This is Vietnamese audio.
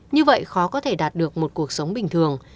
như vậy khó có thể đạt được một cuộc sống bình thường